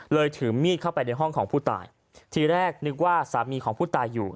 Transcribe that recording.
ถือมีดเข้าไปในห้องของผู้ตายทีแรกนึกว่าสามีของผู้ตายอยู่